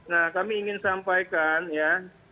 nah kami ingin sampaikan ya